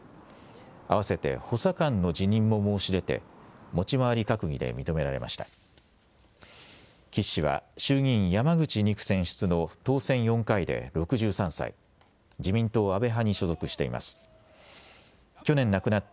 あわせて補佐官の辞任も申し出て持ち回り閣議で認められました。